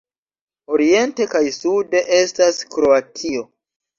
Oriente kaj sude estas Kroatio.